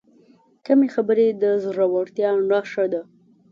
کمې خبرې، د زړورتیا نښه ده.